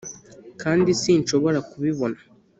kandi sinshobora kubibona